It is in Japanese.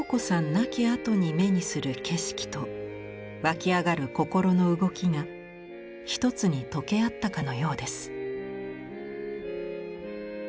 亡きあとに目にする景色と湧き上がる心の動きが一つに溶け合ったかのようです。